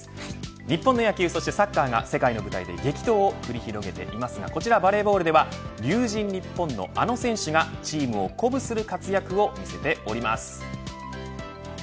日本の野球、そしてサッカーが世界の舞台で激闘を繰り広げていますがバレーボールでは龍神ＮＩＰＰＯＮのあの選手がチームを鼓舞する活躍を見せています。